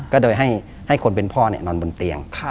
ก็เลยให้คนเป็นพ่อนอนบนเตียง